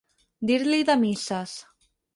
Dir-li de misses.